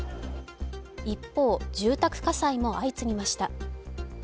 一方、住宅火災も相次ぎました。